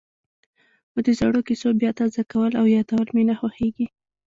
خو د زړو کېسو بیا تازه کول او یادول مې نه خوښېږي.